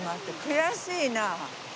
悔しいな！